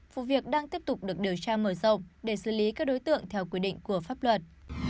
vụ việc đang tiếp tục được điều tra mở rộng để xử lý các đối tượng theo quy định của pháp luật